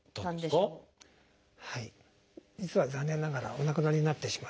実は残念ながらお亡くなりになってしまったんですね。